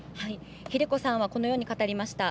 ひで子さんはこのように語りました。